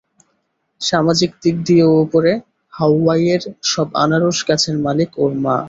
সামাজিক দিক দিয়েও উপরে, হাওয়াইয়ের সব আনারস গাছের মালিক ওর মা।